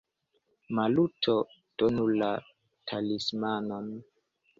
Maluto, donu la talismanon!